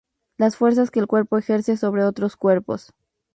Las fuerzas que el cuerpo ejerce sobre otros cuerpos.